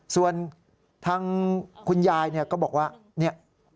ส่วนทางคุณยายก็บอกว่า